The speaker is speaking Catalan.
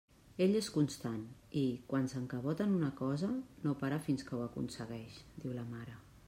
Ell és constant i, quan s'encabota en una cosa, no para fins que ho aconsegueix —diu la mare.